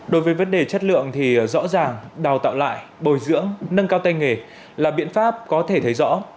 đối với vấn đề chất lượng thì rõ ràng đào tạo lại bồi dưỡng nâng cao tay nghề là biện pháp có thể thấy rõ